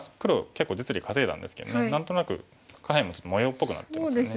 結構実利稼いだんですけど何となく下辺もちょっと模様っぽくなってますね。